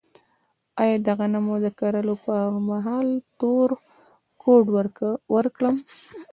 آیا د غنمو د کرلو پر مهال تور کود ورکړم؟